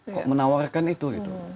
kok menawarkan itu gitu